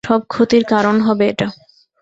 সব ক্ষতির কারন হবে এটা।